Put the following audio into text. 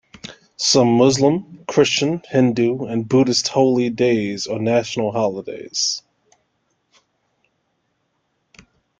Some Muslim, Christian, Hindu, and Buddhist holy days are national holidays.